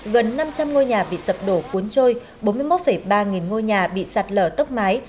gần năm trăm linh ngôi nhà bị sập đổ cuốn trôi bốn mươi một ba nghìn ngôi nhà bị sạt lở tốc mái